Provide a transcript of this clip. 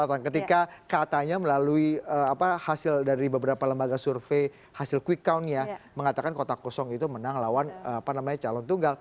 di selatan ketika katanya melalui apa hasil dari beberapa lembaga survei hasil quick count nya mengatakan kota kosong itu menang lawan apa namanya calon tunggal